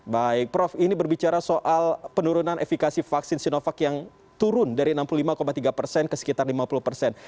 baik prof ini berbicara soal penurunan efikasi vaksin sinovac yang turun dari enam puluh lima tiga persen ke sekitar lima puluh persen